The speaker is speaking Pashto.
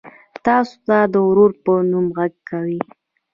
تاسو ته د ورور په نوم غږ کوي.